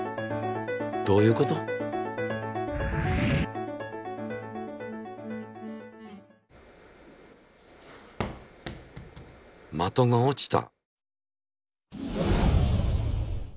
どういうこと？的が落ちた。